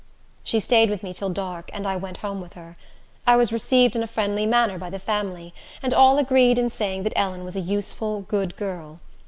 She staid with me till dark, and I went home with her. I was received in a friendly manner by the family, and all agreed in saying that Ellen was a useful, good girl.